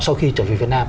sau khi trở về việt nam